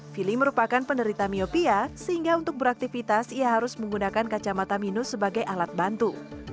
vili merupakan penderita miopia sehingga untuk beraktivitas ia harus menggunakan kacamata minus sebagai alat bantu